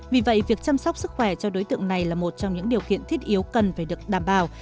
vì vậy việc chăm sóc sức khỏe cho đối tượng này là một trong những điều kiện thiết yếu cần phải được đảm bảo